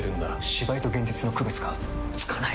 芝居と現実の区別がつかない！